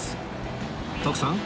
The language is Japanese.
徳さん